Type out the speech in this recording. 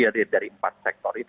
karena dari empat sektor itu